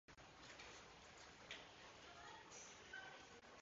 The altitude of the commune ranges from above sea level.